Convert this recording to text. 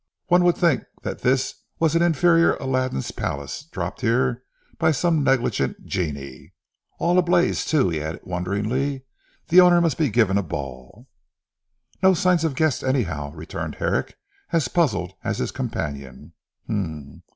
One would think that this was an inferior Aladdin's palace dropped here by some negligent genii. All ablaze too," he added wonderingly; "the owner must be giving a ball." "No signs of guests anyhow," returned Herrick as puzzled as his companion.